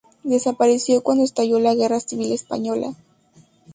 Desapareció cuando estalló la guerra civil española.